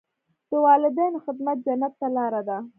د والدینو خدمت جنت ته لاره ده.